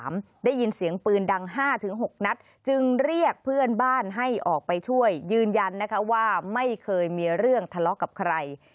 ได้ยินเสียงปืนดัง๕๖นัดจึงเรียกเพื่อนบ้านให้ออกไปช่วยยืนยันนะคะว่าไม่เคยมีเรื่องทะเลาะกับใคร